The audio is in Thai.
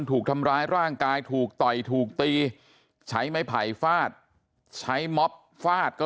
ถูกทำร้ายร่างกายถูกต่อยถูกตีใช้ไม้ไผ่ฟาดใช้ม็อบฟาดก็